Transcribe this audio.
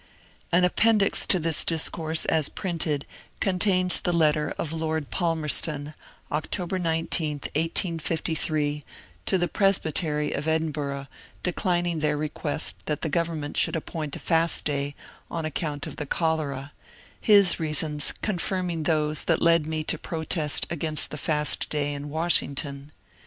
An appendix to this discourse as printed contains the letter of Lord Palmerston, October 19, 1858, to the Presbytery of Edinburgh declining their request that the government should appoint a fast day on account of the cholera, his reasons con firming those that led me to protest against the fast day in Washington.